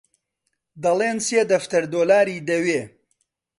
دەڵێن سێ دەفتەر دۆلاری دەوێ